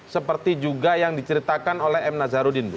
seperti juga yang diceritakan oleh m nazarudin bu